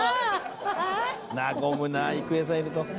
「和むなあ郁恵さんいると」